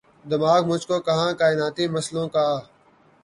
دماغ مجھ کو کہاں کائناتی مسئلوں کا